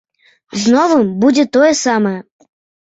З новым будзе тое самае.